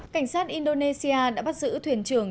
cảnh sát indonesia đã bắt giữ thuyền trường